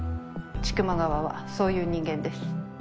千曲川はそういう人間です。